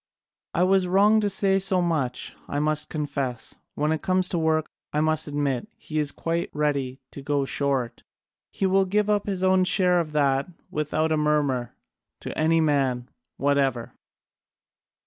I was wrong to say so much, I must confess. When it comes to work, I must admit, he is quite ready to go short: he will give up his own share of that, without a murmur, to any man whatever."